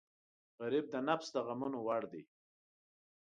غریب د نفس د غمونو وړ دی